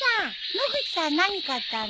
野口さん何買ったの？